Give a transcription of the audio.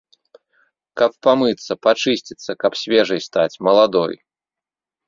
Каб памыцца, пачысціцца, каб свежай стаць, маладой.